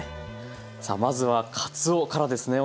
さあまずはかつおからですね。